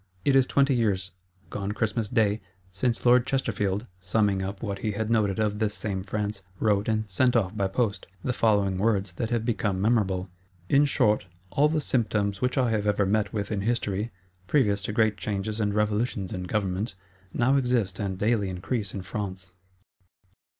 It is twenty years, gone Christmas day, since Lord Chesterfield, summing up what he had noted of this same France, wrote, and sent off by post, the following words, that have become memorable: "In short, all the symptoms which I have ever met with in History, previous to great Changes and Revolutions in government, now exist and daily increase in France."